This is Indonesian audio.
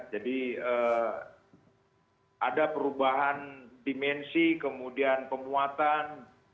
jadi ada perubahan dimensi kemudian pemuatan